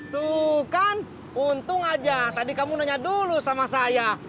tuh kan untung aja tadi kamu nanya dulu sama saya